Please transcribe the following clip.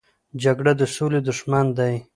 جګړه د سولې دښمن دی